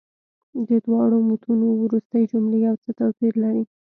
د دواړو متونو وروستۍ جملې یو څه توپیر لري.